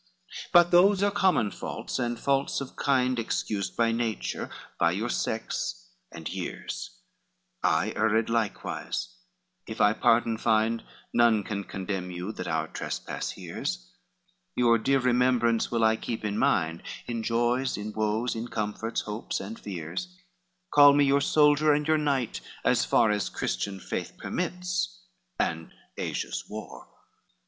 LIII "But those are common faults, and faults of kind, Excused by nature, by your sex and years; I erred likewise, if I pardon find None can condemn you, that our trespass hears; Your dear remembrance will I keep in mind, In joys, in woes, in comforts, hopes and fears, Call me your soldier and your knight, as far As Christian faith permits, and Asia's war.